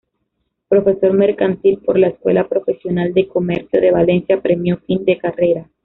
Profesor Mercantil por la Escuela Profesional de Comercio de Valencia, premio fin de carrera.